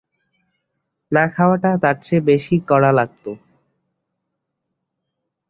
না খাওয়াটা তার চেয়ে বেশি কড়া লাগত।